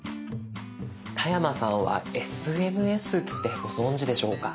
田山さんはＳＮＳってご存じでしょうか？